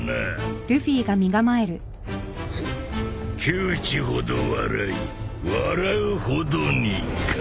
窮地ほど笑い笑うほどにか。